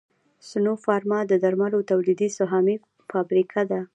سنوفارما د درملو تولیدي سهامي فابریکه ده